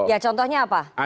ya contohnya apa